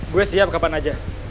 gue siap kapan aja